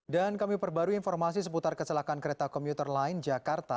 dan kami perbarui informasi seputar kesalahan kereta komuter lain jakarta